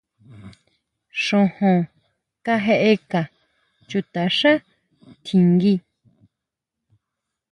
Xojón kajeʼeka chutaxá tjinguí.